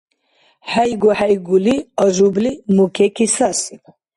ХӀейгу-хӀейгули Ажубли мукеки сасиб.